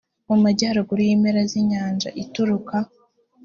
mu majyaruguru y impera z inyanja itukura